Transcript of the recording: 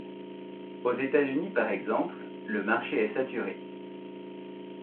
Aux États-Unis, par exemple, le marché est saturé.